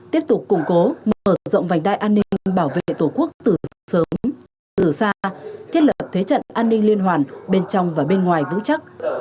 tiếp tục củng cố mở rộng vành đai an ninh bảo vệ tổ quốc từ sớm từ xa thiết lập thế trận an ninh liên hoàn bên trong và bên ngoài vững chắc